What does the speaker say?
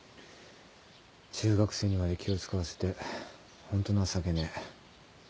中学生にまで気を使わせてホント情けねえ。